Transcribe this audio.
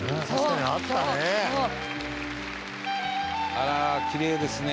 「あらーきれいですね」